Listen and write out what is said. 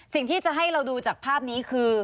สิ่งที่จะให้เราดูจากภาพนี้คือ